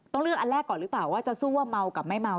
ต้องเลือกอันแรกก่อนหรือเปล่าว่าจะสู้ว่าเมากับไม่เมา